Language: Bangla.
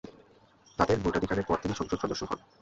তাদের ভোটাধিকারের পর তিনি সংসদ সদস্য হন।